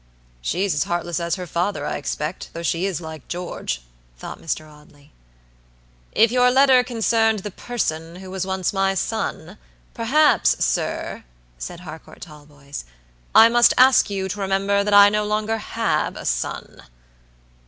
"She's as heartless as her father, I expect, though she is like George," thought Mr. Audley. "If your letter concerned the person who was once my son, perhaps, sir," said Harcourt Talboys, "I must ask you to remember that I have no longer a son."